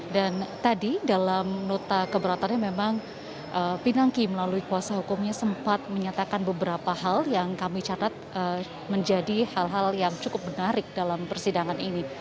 dan tadi dalam nota keberatannya memang pinangki melalui kuasa hukumnya sempat menyatakan beberapa hal yang kami catat menjadi hal hal yang cukup menarik dalam persidangan ini